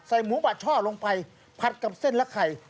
หมูบัดช่อลงไปผัดกับเส้นและไข่